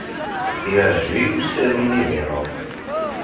Yeɛjeb-iyi usaru-nni Venom.